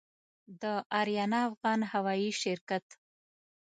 د آریانا افغان هوايي شرکت